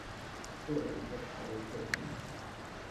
做了一個保溫設計